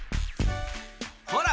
ほら！